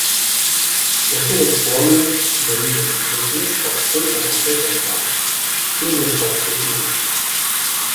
Les seves colònies varien des d'uns pocs centenars d'exemplars fins a diversos milers.